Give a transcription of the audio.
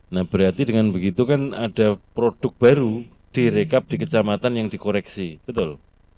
nah berarti dengan begitu kan ada produk baru direkap di kecamatan yang dikoreksi betul